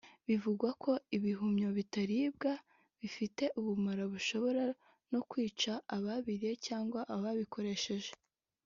Bivugwa ko ibihumyo bitribwa bifite ubumara bushobora no kwica ababiriye cyangwa babikoresheje